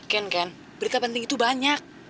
ken ken berita penting itu banyak